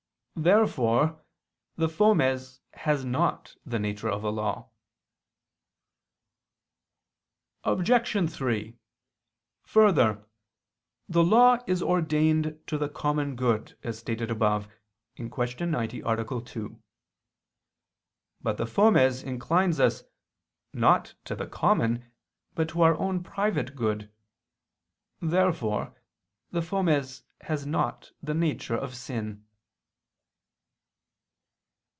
Therefore the fomes has not the nature of a law. Obj. 3: Further, the law is ordained to the common good, as stated above (Q. 90, A. 2). But the fomes inclines us, not to the common, but to our own private good. Therefore the fomes has not the nature of sin.